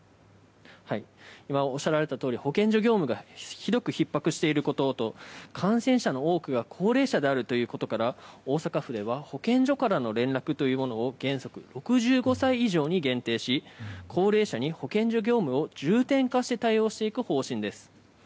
おっしゃられたとおり保健所業務がひどくひっ迫していることと感染者の多くが高齢者であることから大阪府では保健所からの連絡というものを原則、６５歳以上に限定し、高齢者に保健所業務を重点化して対応していく方針です。